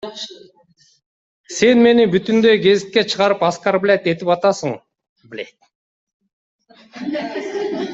Сен мени бүтүндөй гезитке чыгарып оскорблять этип атасың, блядь.